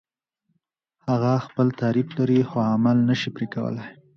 هغه خپل تعریف لري خو عمل نشي پرې کولای.